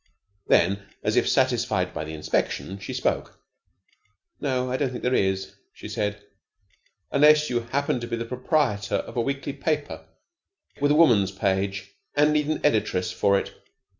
Then, as if satisfied by the inspection, she spoke. "No, I don't think there is," she said. "Unless you happen to be the proprietor of a weekly paper with a Woman's Page, and need an editress for it."